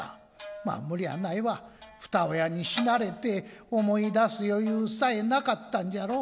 まぁ無理はないわ二親に死なれて思い出す余裕さえなかったんじゃろう。